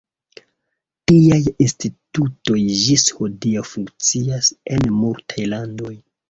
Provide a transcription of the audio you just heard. Tiaj institutoj ĝis hodiaŭ funkcias en multaj landoj.